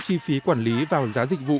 chi phí quản lý vào giá dịch vụ